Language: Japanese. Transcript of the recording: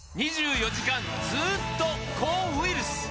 ２４時間ずっと抗ウイルス！